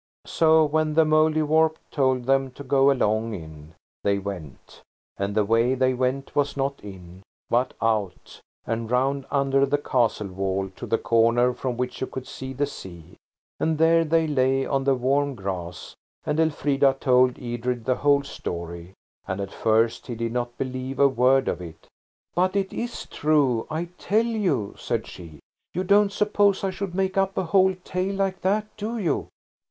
So when the Mouldiwarp told them to go along in, they went; and the way they went was not in, but out, and round under the castle wall to the corner from which you could see the sea. And there they lay on the warm grass, and Elfrida told Edred the whole story, and at first he did not believe a word of it. "But it's true, I tell you," said she. "You don't suppose I should make up a whole tale like that, do you?"